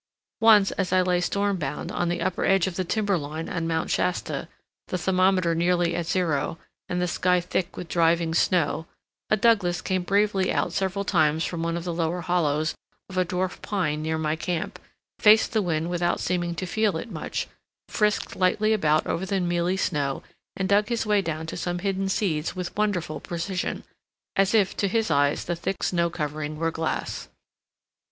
Once as I lay storm bound on the upper edge of the timber line on Mount Shasta, the thermometer nearly at zero and the sky thick with driving snow, a Douglas came bravely out several times from one of the lower hollows of a Dwarf Pine near my camp, faced the wind without seeming to feel it much, frisked lightly about over the mealy snow, and dug his way down to some hidden seeds with wonderful precision, as if to his eyes the thick snow covering were glass.